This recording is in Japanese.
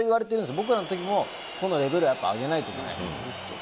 僕らの時も個のレベルを上げないといけない。